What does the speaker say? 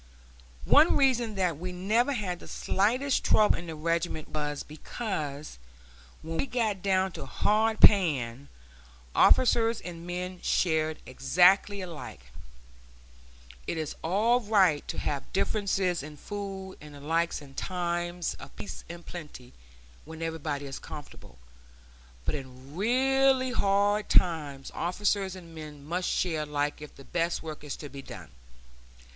One reason that we never had the slightest trouble in the regiment was because, when we got down to hard pan, officers and men shared exactly alike. It is all right to have differences in food and the like in times of peace and plenty, when everybody is comfortable. But in really hard times officers and men must share alike if the best work is to be done.